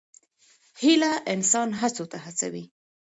هیله انسان هڅو ته هڅوي.